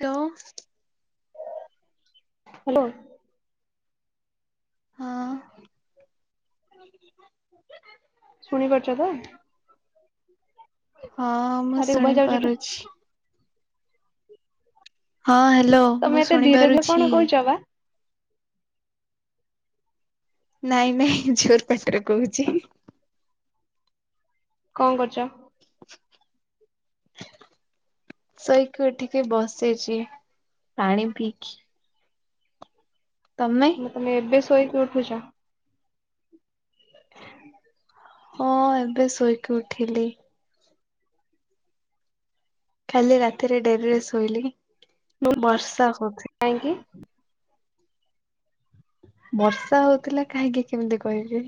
Hello. Hello. ହଁ। [unintelligible] ଶୁଣିପାରୁଛ ତ? ହଁ ମୁଁ ଆରେ ଉଭା ଶୁଣି ଯାଉଛି ଟି ପାରୁଛି। ହଁ ହ୍ୟାଲୋ ତମେ ମୁଁ ଏତେ ଶୁଣି ଧୀରେ ଧୀରେ ପାରୁଛି। କଣ କହୁଛ ବା ନାଇଁ ନାଇଁ ଜୋର୍ ପାଟିରେ କହୁଛି। କଣ କରୁଛ? ସୋଇକି ଉଠିକି ବସିଛି ପାଣି ପିଇକି। ତମେ। ନା ତମେ ଏବେ ଶୋଇକି ଉଠୁଛ? ହଁ ଏବେ ଶୋଇକି ଉଠିଲି। କାଲି ରାତିରେ ଡେରିରେ ଶୋଇଲି ବର୍ଷା ହଉଥି କାହିଁକି? ବର୍ଷା ହଉଥିଲା କାହିଁକି କେମିତି କହିବି?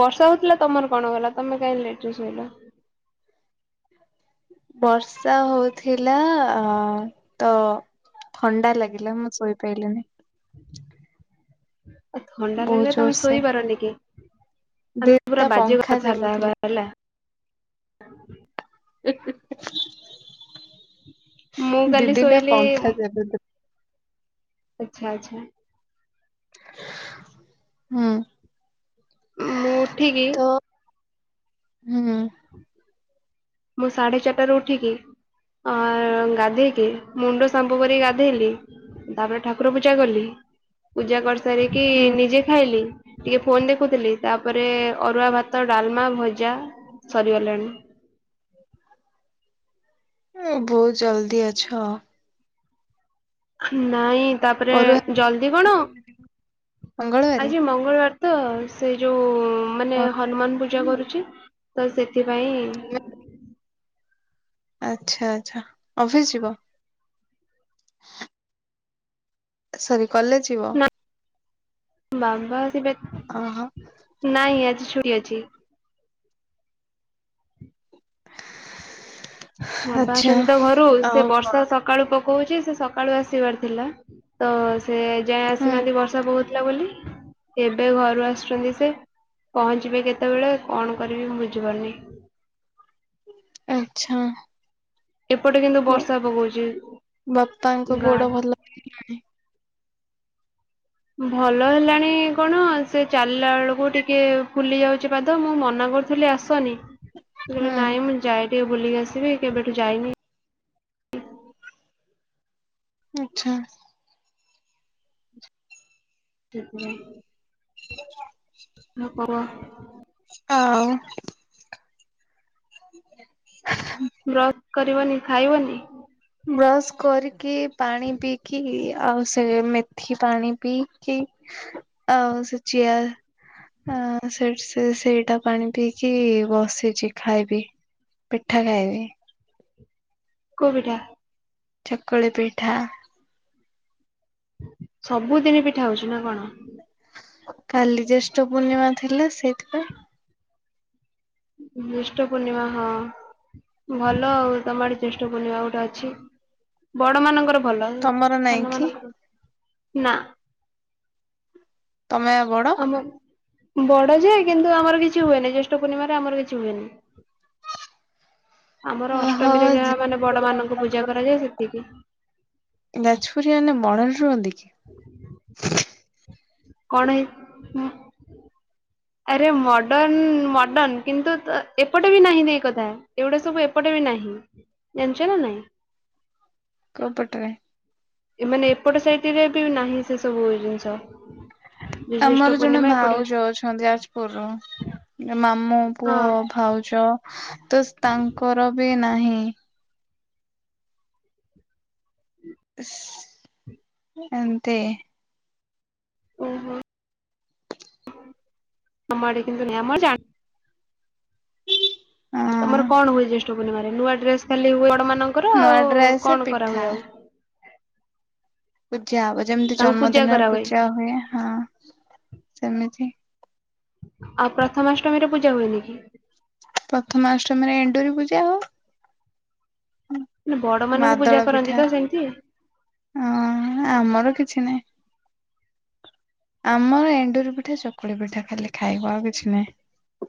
ବର୍ଷା ହଉଥିଲା ତମର କଣ ଗଲା ତମେ କାହିଁ ଲେଟ୍ ରେ ଶୋଇଲ? ବର୍ଷା ହଉଥିଲା ଆ ତ ଥଣ୍ଡା ଲାଗିଲା ମୁଁ ଶୋଇପାଇଲିନି। ଥଣ୍ଡା ବହୁତ ଲାଗିଲେ ତମେ ଜୋରସେ। ଶୋଇପାରନି କି? ଆମେ ପୁରା ଦିଦିଟା ବାଜ୍ୟ ପଙ୍ଖା କଥାବାର୍ତା ଚାଲୁଥିଲା। ହେବା ହେଲା। ମୁଁ କାଲି ଦିଦିଟା ଶୋଇଲି ପଙ୍ଖା ଦେବେ ତ ଆଚ୍ଛା ଆଚ୍ଛା। ହୁଁ ମୁଁ ଉଠିକି ହୁଁ ମୁଁ ସାଢେ ଚାରିଟାରୁ ଉଠିକି ଆ ଗାଧେଇକି ମୁଣ୍ଡ ସାମ୍ବୁ କରିକି ଗାଧେଇଲି। ତାପରେ ଠାକୁର ପୂଜା କଲି ପୂଜା କରି ସାରିକି ହୁଁ ନିଜେ ଖାଇଲି ଟିକେ ଫୋନ ଦେଖୁଥିଲି ତାପରେ ଅରୁଆ ଭାତ ଡାଲମା ଭଜା ସରିଗଲାଣି। ବହୁତ ଜଲଦି ଅଛ। ନାଇଁ ତାପରେ ଅରୁଆ ଜଲଦି କଣ ମଙ୍ଗଳବାରେ। ଆଜି ମଙ୍ଗଳବାର ତ ସେ ଯୋଉ ମାନେ ହନୁମାନ ଆଚ୍ଛା ପୂଜା କରୁଛି ତ ସେଥିପାଇଁ [unintelligible] ଆଚ୍ଛା ଆଚ୍ଛା ଅଫିସ୍ ଯିବ? ସରି କଲେଯ ଯିବ? ନା ବାବା ଆସିବେ ଅ ହ ନାଇଁ ଆଜି ଛୁଟି ଅଛି। ବାବା ଆଚ୍ଛା ଆସଛନ୍ତି ତ ଘରୁ ଆଉ ସେ ବର୍ଷା କଣ ସକା ସକାଳୁ ପକଉଛି ସେ ସକାଳୁ ଆସିବାର ଥିଲା ତ ସେ ଯାଏ ହୁଁ ଆସିନାହାନ୍ତି ବର୍ଷା ବହୁଥିଲା ବୋଲି। ଏବେ ଘରୁ ଆସୁଛନ୍ତି ସେ ପହଞ୍ଚିବେ କେତେବେଳେ କଣ କରିବି ମୁଁ ବୁଝିପାରୁନି। ଆଚ୍ଛା। ଏପଟେ କିନ୍ତୁ ବର୍ଷା ପକଉଛି ବାପାଙ୍କ ଗାଁ [unintelligible] ଭଲ ହେଲାଣି କଣ ସେ ଚାଲିଲା ବେଳକୁ ଟିକେ ଫୁଲି ଯାଉଛି ପାଦ ମୁଁ ମନା କରୁ ହି ଆସନି କହିଲେ ନାଇଁ ହୁଁ ମୁଁ ଯାଏ ଟିକେ ବୁଲିକି ଆସିବି କେବେଠୁ ଯାଇନି। ଆଚ୍ଛା। ଠେପୁରା [unintelligible] ନ କର। ଆଉ [unintelligible] ବ୍ରଶ୍ କରିବନି ଖାଇବନି? ବ୍ରଶ୍ କରିକି ପାଣି ପିଇକି ଆଉ ସେ ମେ ଉଠି ପାଣି ପି କି ଆଉ ସେ ଚିଆର୍ ଆ ସେ ସେଇଟା ପାଣି ପିଇକି ବସିଛି ଖାଇବି। ପିଠା ଖାଇବି। କୋଉ ପିଠା? ଚକୁଳି ପିଠା। ସବୁଦିନ୍ ପିଠା ହଉଚି ନାଁ କଣ? କାଲି ଜ୍ୟେଷ୍ଠ ପୂର୍ଣ୍ଣିମା ଥିଲା ସେଇଥିପାଇଁ। ଜେଷ୍ଟ ପୂର୍ଣ୍ଣିମା ହଁ ଭଲ ଆଉ ତମ ଆଡେ ଜେଷ୍ଟ ପୁର୍ଣିମା ଗୋଟେ ଅଛି ବଡ ମାନଙ୍କର ଭଲ ତମର ନାଇଁ ସାନ କି ମାନଙ୍କର ନା ତମେ ବଡ? ଆମ ବଡ ଯେ କିନ୍ତୁ ଆମର କିଛି ହୁଏନି ଜ୍ୟେଷ୍ଠ ପୂର୍ଣ୍ଣିମାରେ ଆମର କିଛି ହୁଏନି। ଆମର ଓହୋ ଅଷ୍ଟମୀରେ ଯାହା ମାନେ ବଡ ମାନଙ୍କୁ ପୂଜା କରାଯାଏ ସେତିକି। ଯାଜପୁରିଆ ମାନେ ବଣରେ ରୁହନ୍ତି କି? [unintelligible] କଣ ହେଇ ଆରେ ମଡର୍ଣ୍ଣ ମଡର୍ଣ୍ଣ କିନ୍ତୁ ତ- ଏପଟେ ବି ନାହିଁ ନାହିଁ ଏ କଥା ଏଗୁଡା ସବୁ ଏପଟେ ବି ନାହିଁ ଜାଣିଚ ନା ନାଇଁ। କୋଉ ପଟରେ? ଏମାନେ ଏପଟ ସାଇଟିରେ ବି ନାହିଁ ସେ ସବୁ ଜିନିଷ। ଜ୍ୟେଷ୍ଠ ଆମର ଜଣେ ପୂର୍ଣ୍ଣିମା ଏପଟେ ଭାଉଜ ଅଛନ୍ତି ଯାଜପୁରରୁ। ମାମୁଁ ପୁଅ ହଁ ଭାଉଜ ତ ତାଙ୍କର ବି ନାହିଁ। ଏମତି ଓହୋ ଆମର କିନ୍ତୁ ଆମର ହଁ। ତମର କଣ ହୁଏ ଜ୍ୟେଷ୍ଠ ପୂର୍ଣ୍ଣିମାରେ ନୂଆ ଡ୍ରେସ ଖାଲି ହୁଏ ବଡ ମାନଙ୍କର ନୂଆ ଆଉ ଡ୍ରେସ କଣ କରା ହୁଏ ପିଠା ଆଉ। ପୂଜା ହବ ଯେମିତି ତାଙ୍କୁ ପୂଜା ଜନ୍ମଦିନରେ କରାହୁଏ ପୂଜା ହୁଏ ହଁ ସେମିତି। ଆଉ ପ୍ରଥମାଷ୍ଟମୀରେ ପୂଜା ହୁଏନି କି? ପ୍ରଥମାଷ୍ଟମୀରେ ଏଣ୍ଡୁରି ପୂଜା ହବ। ନା ବଡ ମାନଙ୍କୁ ପୂଜା କରନ୍ତି ତ ସେମିତି। ଓହୋ ଆମର କିଛି ନାହିଁ। ଆମର ଏଣ୍ଡୁରି ପିଠା ଚକୁଳି ପିଠା ଖାଲି ଖାଇବ ଆଉ କିଛି ନାହିଁ।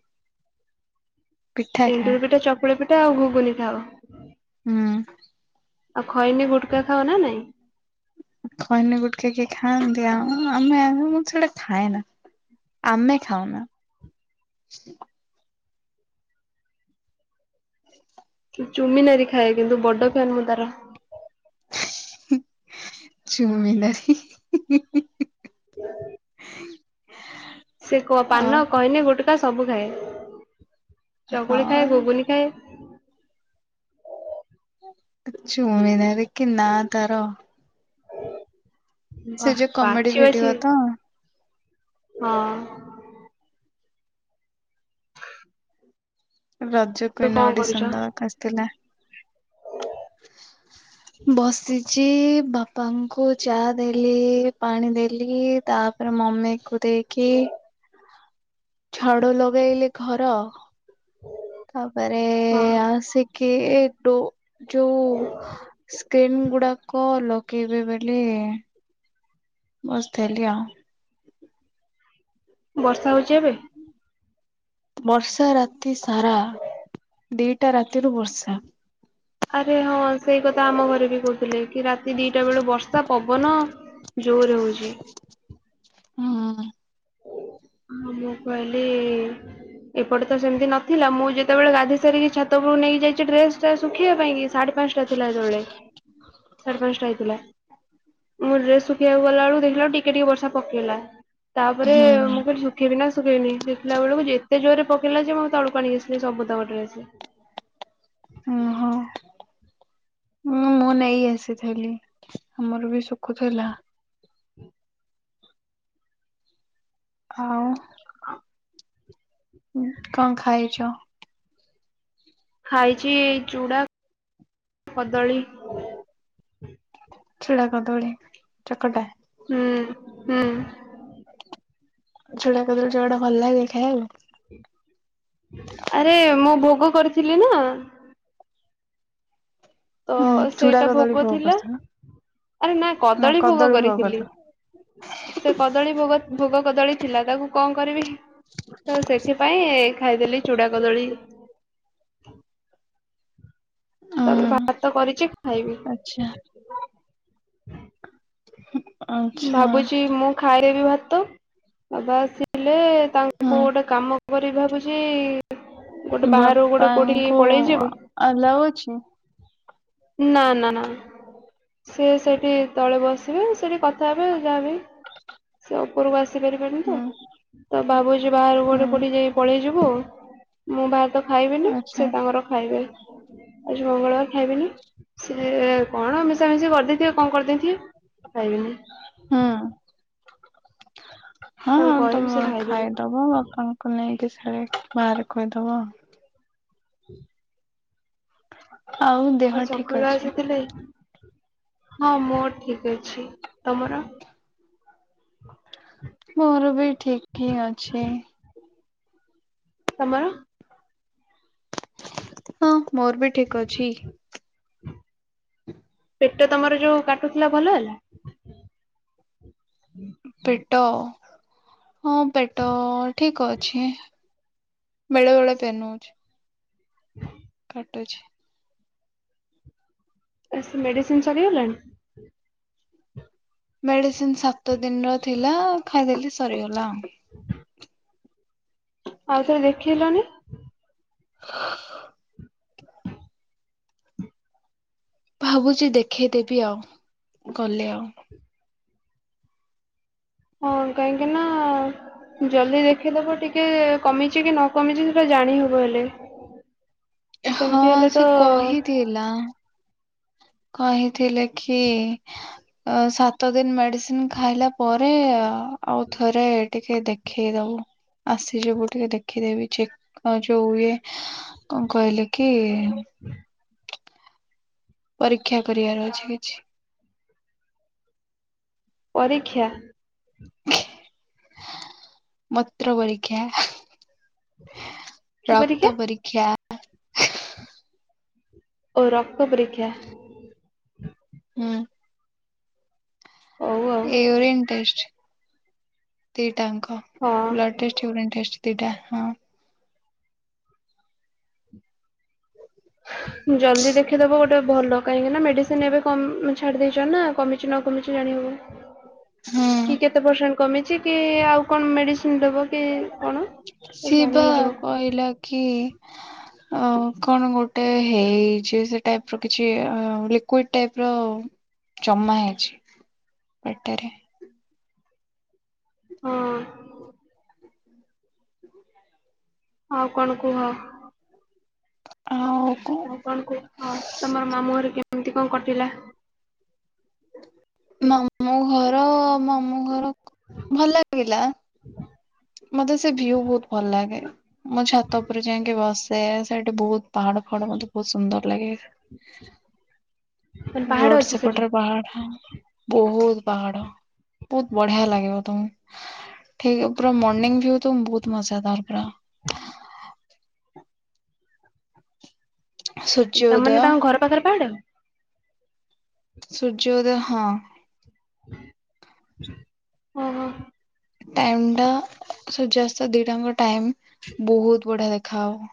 ପିଠା ଖା। ଏଣ୍ଡୁର ପିଠା ଚକୁଳି ପିଠା ଆଉ ଘୁଗୁନି ଖାଅ। ହୁଁ ଆଉ ଖଇନି ଗୁଟକା ଖାଅ ନା ନାଇଁ? ଖଇନି ଗୁଟକା କିଏ ଖାଆନ୍ତି ଆଉ ଆମେ ମୁ ସେଇଟା ଖାଏ ନା। ଆମେ ଖାଉନା। ଚୁମି ନାରୀ ଖାଏ କିନ୍ତୁ ବଡ ଫ୍ୟାନ୍ ମୁଁ ତାର। ଚୁମିିନାରୀ। ହୁଁ। ସେ କ ଆଉ ପାନ ଖଇନି ଗୁଟକା ସବୁ ଖାଏ ଚକୁଳି ଖାଏ ହଁ ଘୁଗୁନି ଖାଏ। ଚୁମିନାରୀ କି ନାଁ ତାର। ସେ ବାଃ ଯୋଉ କମେଡି ବାଛି ବାଛି ଭିଡିଓ ତ। ହଁ। [inaudible] ତୁ ରଜକୁଇନ୍ କଣ କରୁଛ ଅଡିସନ୍ ଦବାକୁ ଆସିଥିଲା। ହ। ବସିଚି ବାପାଙ୍କୁ ଚା ଦେଲି ପାଣି ଦେଲି ତା- ଆଉ ମମି କୁ ଦେଇକି- ଝାଡୁ ଲଗେଇଲି ଘର ତାପରେ ହଁ। ଆସି- କି ଟୁ ଯଉ ସ୍କ୍ରିନ୍ ଗୁଡାକ ଲଗେଇବେ ବୋଲି ବସିଥିଲି ଆଉ। ବର୍ଷା ହଉଚି ଏବେ। ବର୍ଷା ରାତି ସାରା ଦିଟା ରାତିରୁୁ ବର୍ଷା। ଆରେ ହଁ ସେଇ କଥା ଆମ ଘରେ ବି କହୁଥିଲେ କି ରାତି ଦିଟା ବେଳୁ ବର୍ଷା ପବନ ଜୋରେ ହଉଚି। ହୁଁ। ଆଉ ମୁଁ କହିଲି। ଏପଟେ ତ ସେମିତି ନଥିଲା ମୁଁ ଯେତେବେଳେ ଗାଧେଇ ସାରିକି ଛାତ ଉପରକୁ ନେଇକି ଯାଇଛି ଡ୍ରେସ ଟା ଶୁଖିବା ପାଇଁ ସାଢେ ପାଞ୍ଚଟା ଥିଲା ଯେତେବେଳେ ସାଢେ ପାଞ୍ଚଟା ହେଇଥିଲା। ମଁ ଡ୍ରେସ ଶୁଖିବାକୁ ଗଲା ବେଳକୁ ଦେଖିଲା ଟିକେ ଟିକେ ବର୍ଷା ପକେଇଲା ତାପରେ ହୁଁ। ମୁଁ କହିଲି ଦେଖେଇବି ନା ଶୁଖେଇବି ଦେଖିଲା ବେଳକୁ ଯେତେ ଜୋରେ ପକେଇଲା ଯେ ମୁଁ ତଳକୁ ଆଣିକି ଆସିଲି ସବୁ ତକ ଡ୍ରେସ୍। ହୁଁ ମୁଁ ନେଇ ଆସିଥିଲି ଆମର ବି ଶୁଖୁଥିଲା। ଆଉ। [unintelligible] ହୁଁ କଁ ଖାଇଚ? ଖାଇଚି ଚୁଡ଼ା କଦଳୀ। ଛୁଡା କଦଳୀ ଚକଟା। ହୁଁ ହୁଁ। ଚୁଡା କଦଳୀ ଚକଟା ଭଲ ଲାଗେ ଖାଇଆକୁ? ଆରେ ମୁଁ ଭୋଗ କରିଥିଲି ନା। ତ ହୁଁ ଚୁଡା ସେଇଟା କଦଳୀ ଭୋଗ ଥିଲା। କରିଥିଲ ଆରେ ନା କଦଳୀ ଭୋଗ କରିଥିଲି। ସେ କଦଳୀ ଭୋଗ ଭୋଗକଦଳୀ ଥିଲା ତାକୁ କଣ କରିବି ତ ସେଥିପାଇଁ ଖାଇଦେଲି ଚୁଡା କଦଳୀ। ତାପରେ ଭାତ ଉଁ ତ କରିଚି ଖାଇବି। ଆଚ୍ଛା ଆଚ୍ଛା ଭାବୁଚି ମୁଁ ଖାଇବି ଭାତ ବାବା ଆସିଲେ ତାଙ୍କୁ ହୁଁ ଗୋଟେ କାମ କରିବି ଭାବୁଚି ଗୋଟେ ବାହାରକୁ ଗୋଟେ କୋଉଠି କି ବାପାଙ୍କୁ ପଳେଇ ଯିବି। ଆଲାଉ ଅଛି ନା ନା ନା ସିଏ ସେଠି ତଳେ ବସିବେ ସେଠି କଥ୍ କଥା ହେବେ ଯାହା ବି ସେ ଉପରକୁ ଆସିପାରିବେନି ହୁଁ ତ। ତ ଭାବୁଚି ବାହାର କୁ ଗୋଟେ କୋଠି ହୁଁ ଯାଇ ପଳେଇ ଯିବୁ ଆଉ। ମୁଁ ଭାତ୍ ଭାତ ଖାଇବିନି ଆଚ୍ଛା ସେ ତାଙ୍କର ଖାଇବେ ଆଜି ମଙ୍ଗଳବାର ଖାଇବିନି। ସେ କଣ ମିଶାମିଶି କରିଦେଇଥିବେ କଣ କରିଦେଇଥିବେ ଖାଇବିନି। ହୁଁ। ହଁ ତାଙ୍କୁ କହିବି ତମେ ସେ ଖାଇଦେବେ ଖାଇଦବ ଆଉ କଁ? କୁନେଇକି ସାଡେ ବାହାରେ ଖୋଇଦବ। ହୁଁ ହଉ। ଆଉ ଚକୁଳିଆ ଆସିଥିଲେ ହଁ ମୋର ଠିକ୍ ଅଛି ତମର? ମୋର ବି ଠିକ୍ ହିଁ ଅଛି। ତମର? ହଁ ମୋର ବି ଠିକ୍ ଅଛି। ପେଟ ତମର ଯୋଉ କାଟୁଥିଲା ଭଲ ହେଲା? ପେଟ ହଁ ପେଟ ଠିକ୍ ଅଛି। ବେଳେବେଳେ ପେନ୍ ହଉଚି। ହୁଁ କାଟୁଛି। ଏ ସେ ମେଡ଼ିସିନ୍ ସରିଗଲାଣି? ମେଡିସିନ୍ ସାତ ଦିନର ଥିଲା ଖାଇଦେଲି ସରିଗଲା ଆଉ। ଆଉଥରେ ଦେଖେଇଲଣିି। ହ ଭାବୁଚି ଦେଖେଇଦେବି ଆଉ ଗଲେ ଆଉ। ହଁ କାହିଁକି ନା ଜଲ୍ଦି ଦେଖିଦବ ଟିକେ କମିଚି କି ନ କମିଚି ସେଟା ଜାଣିହବ ହେଲେ। ହଁ ସେମିତି ହେଲେ ତ ସେ କହିଥିଲା। କହିଥିଲେ ଖି ଆ ସାତ ଦିନି ମେଡିସିନ୍ ଖାଇଲା ପରେ ଆଉ ଥରେ ଟିକେ ଦେଖେଇଦବୁ ଆସିଯିବୁ ଟିକେ ଦେଖିଦେବି ଚେକ୍ ଆ ଯୋଉ ଏ କଣ କହିଲେ କି [inaudible] ପରୀକ୍ଷା କରିଆର ଅଛି କିଛି। ପରୀକ୍ଷା ମୂତ୍ର ପରୀକ୍ଷା। କି ପରୀକ୍ଷା ରକ୍ତ ପରୀକ୍ଷା। ଓ ରକ୍ତ ପରୀକ୍ଷ। ହୁଁ ହଉ ଆଉ ୟୁରିନ୍ ଟେଷ୍ଟ ଦିଟାଙ୍କ ବ୍ଲ ଡ ହଁ ଟେଷ୍ଟ, ୟୁରିନି ଟେଷ୍ଟ ଦିଟା ହଁ ଜଲଦି ଦେଖିଇଦବ ଗୋଟେ ଭଲ କାହିଁକି ନା ମେଡିସିନ ଏବେ କମ ଛାଡି ଦେଇଛ ନା କମିଛି ନ କମିଛି ଜାଣି ହବ କି ହଁ କେତେ ପରସେଣ୍ଟ କମିଛି କି ଆଉ କଣ ମେଡ଼ିସିନ ଦେବ। ସେ ବା କହିଲା କି? ଅଂ କଣ ଗୋଟେ ହେଇଛି ସେ ଟାଇପ ର କିଛି ଲିକ୍ୱିଡ ଟାଇପ ର ଜମା ହେଇଛି ପେଟେରେ ହଁ ଆଉ କଣ କୁହ କଣ ଆଉ କଣ କୁହ ତମର ମାମୁଁ ଘରେ କେମତି କଣ କଟିଲା। ମାମୁଁ ଘର ମାମୁଁ ଘର। ଭଲ ଲାଗିଲା ମତେ ସେ ଭ୍ୟୁ ବହୁତ ଭଲ ଲାଗେ। ମୁଁ ଛାତ ଉପରେ ଯାଇକି ବସେ ସେଇଠି ବହୁତ ପାହାଡ ଫାହାଡ ମତେ ବହୁତ ସୁନ୍ଦର ଲାଗେ। ମାନେ ପାହାଡ ରୋଡ ଅଛି ସେଠି ସେପଟରେ ପାହାଡ଼ ବହୁତ ପାହାଡ ବହୁତ ବଢିଆ ଲାଗିବ ତମକୁ ଠିକ ପୁରା ମର୍ଣ୍ଣିଂ ଭିଉ ତ ବହୁତ ମଜା ଦାର ପୁରା [inaudible] ସୂର୍ଯ୍ୟ ଉଦୟ ତାମାନେେ ତାଙ୍କ ଘର ପାଖରେ ପାହାଡ। ସୂର୍ଯ୍ୟ ଉଦୟ ହଁ ଓହୋ ଟାଇମ ଟା ସୂର୍ଯସ୍ତ ଦିଟାଙ୍କ ଟାଇମ ବହୁତ ବଢିଆ ଦେଖା ହବ।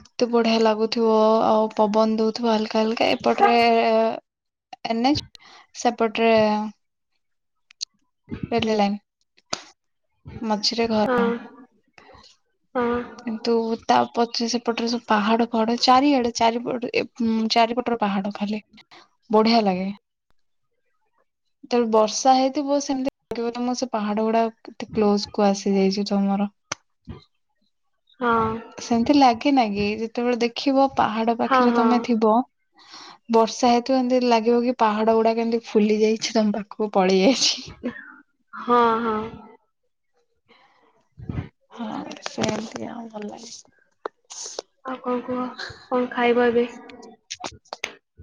ଏତେ ବଢିଆ ଲାଗୁଥିବ ଆଉ ପବନ ଦଉଥିବ ହଲକା ହାଲକା। ଏପଟରେ ଏନ୍ ଏଚ ସେପଟରେ ଟ୍ରେନ ଲାଇନ ମଝିରେ ଘର। ହଁ ହଁ କିନ୍ତୁ ତା ପଛ ସେପଟରେ ସବୁ ପାହାଡ ଫାହାଡ ଚାରିଆଡେ ଚାରିପଟ ହଁ ଚାରିପଟରେ ପାହାଡ ଖାଲି ବଢିଆ ଲାଗେ ଯେତେବେଳେ ବର୍ଷା ହେଇଥିବ ସେମତି ଲାଗିବ ତମ ସେ ପାହାଡ ଗୁଡା ଏତେ କ୍ଲୋଜ କୁ ଆସିଯାଇଛି ତମର ହଁ ସେମିତି ଲାଗେ ନାଗି ଯେତେବେଳେ ଦେଖିବ ପାହାଡ ହଁ ପାଖରେ ହଁ ତମେ ଥିବ [inaudible] ବର୍ଷା ହେତୁ ଏମିତି ଲାଗିବ କି ପାହାଡ ଗୁଡା କେମିତି ଫୁଲି ଯାଇଛି ତମ ପାଖକୁ ପଳେଇ ଆଇଛି। ହଁ ହଁ। ସେମତି ଆଉ ଭଲ ଲାଗେ। ଆଉ କଣ କୁହ କଣ ଖାଇବ ଏବେ